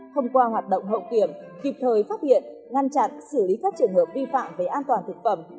thông qua hoạt động hậu kiểm kịp thời phát hiện ngăn chặn xử lý các trường hợp vi phạm về an toàn thực phẩm